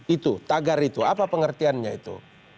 itu tagar itu apa pengertiannya itu